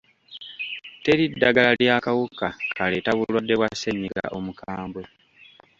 Teri ddagala ly'akawuka kaleeta bulwadde bwa ssenyiga omukambwe.